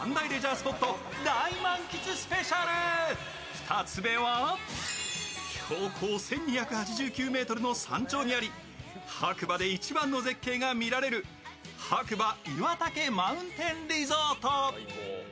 ２つ目は標高１２８９ｍの山頂にあり白馬で一番の絶景が見られる白馬岩岳マウンテンリゾート。